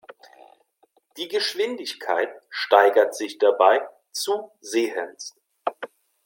Die Geschwindigkeit steigert sich dabei zusehends.